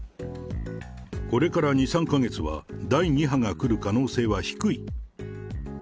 これから２、３か月は第２波がくる可能性は低い。